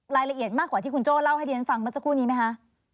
รายละเอียดมากกว่าที่คุณโจ้เล่าให้เรียนฟังเมื่อสักครู่นี้ไหมคะ